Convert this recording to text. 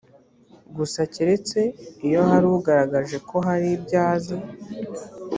gusa keretse iyo hari ugaragaje ko hari ibyo azi